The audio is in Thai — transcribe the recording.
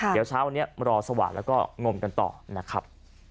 เดี๋ยวเช้าวันนี้รอสว่างแล้วก็งมกันต่อนะครับ